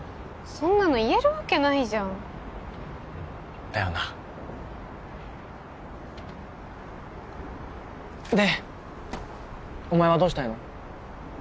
そんなの言えるわけないじゃんだよなでお前はどうしたいの？